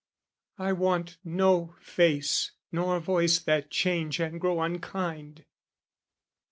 I want "No face nor voice that change and grow unkind."